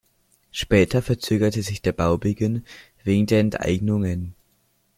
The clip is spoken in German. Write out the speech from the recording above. Später verzögerte sich der Baubeginn wegen der Enteignungen.